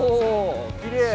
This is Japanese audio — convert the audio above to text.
きれい！